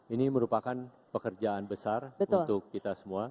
ini merupakan pekerjaan besar untuk kita semua